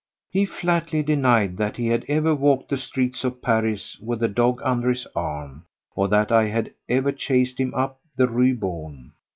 He flatly denied that he had ever walked the streets of Paris with a dog under his arm, or that I had ever chased him up the Rue Beaune.